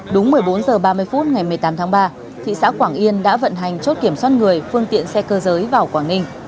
đúng một mươi bốn h ba mươi phút ngày một mươi tám tháng ba thị xã quảng yên đã vận hành chốt kiểm soát người phương tiện xe cơ giới vào quảng ninh